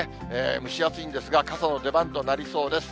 蒸し暑いんですが、傘の出番となりそうです。